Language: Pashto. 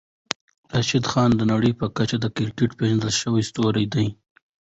راشدخان د نړۍ په کچه د کريکيټ پېژندل شوی ستوری دی.